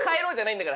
だから。